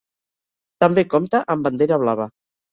També compta amb Bandera Blava.